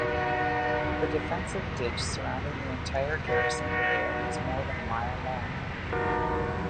The defensive ditch surrounding the entire garrison area was more than a mile long.